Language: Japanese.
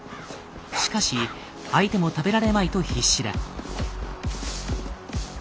しかし相手も食べられまいと必死だ。